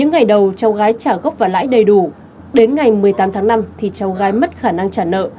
chín ngày đầu cháu gái trả gốc và lãi đầy đủ đến ngày một mươi tám tháng năm thì cháu gái mất khả năng trả nợ